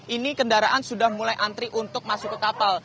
ini kendaraan sudah mulai antri untuk masuk ke kapal